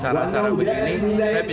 sehingga kalau ada acara acara begini